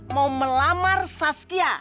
mau melamar saskia